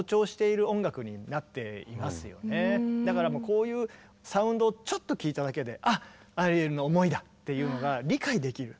こういうサウンドをちょっと聴いただけで「あっアリエルの思いだ」っていうのが理解できる。